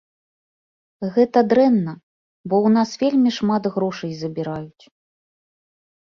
Гэта дрэнна, бо ў нас вельмі шмат грошай забіраюць.